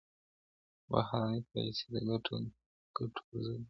بهرنۍ پالیسي د ګډو ګټو پر ضد نه وي.